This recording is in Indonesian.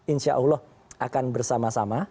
insya allah akan bersama sama